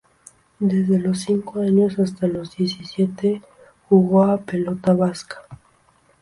Desde los cinco años hasta los diecisiete jugó a pelota vasca.